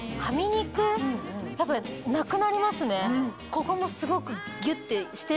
ここもすごく。